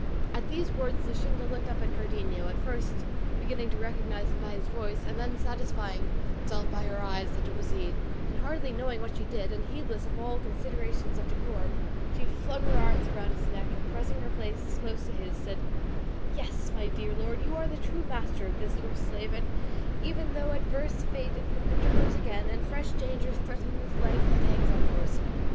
At these words Luscinda looked up at Cardenio, at first beginning to recognise him by his voice and then satisfying herself by her eyes that it was he, and hardly knowing what she did, and heedless of all considerations of decorum, she flung her arms around his neck and pressing her face close to his, said, "Yes, my dear lord, you are the true master of this your slave, even though adverse fate interpose again, and fresh dangers threaten this life that hangs on yours."